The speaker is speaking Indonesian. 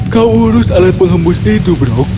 kau urus alat pengembus itu brok